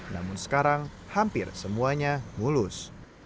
namun sekarang hampir semuanya mulus